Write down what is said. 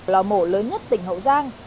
lò mổ lớn nhất tỉnh hậu giang